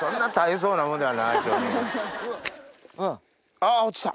あ落ちた。